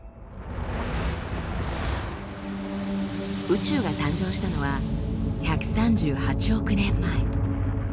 宇宙が誕生したのは１３８億年前。